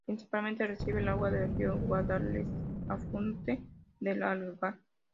Principalmente recibe el agua del río Guadalest, afluente del Algar.